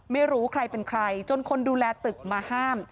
ไม่รู้ใครเป็นใครจนคนดูแลตึกมาห้าม